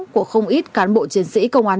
của không ít cán bộ chiến sĩ công an